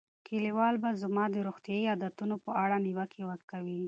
کلیوال به زما د روغتیايي عادتونو په اړه نیوکې کوي.